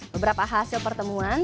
beberapa hasil pertemuan